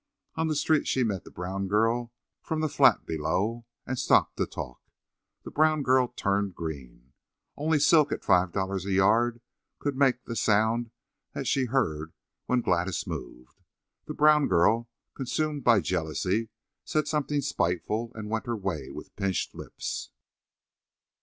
On the street she met the Brown girl from the flat below and stopped to talk. The Brown girl turned green. Only silk at $5 a yard could make the sound that she heard when Gladys moved. The Brown girl, consumed by jealousy, said something spiteful and went her way, with pinched lips.